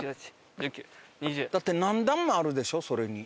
だって何段もあるでしょそれに。